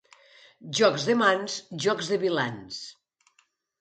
Jocs de mans, jocs de vilans.